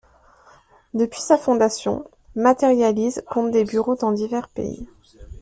Depuis sa fondation, Materialise compte des bureaux dans divers pays.